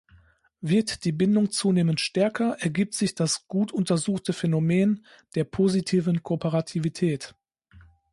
Wird die Bindung zunehmend stärker, ergibt sich das gut untersuchte Phänomen der "positiven Kooperativität".